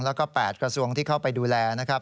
แล้วก็๘กระทรวงที่เข้าไปดูแลนะครับ